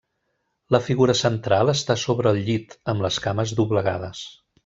La figura central està sobre el llit, amb les cames doblegades.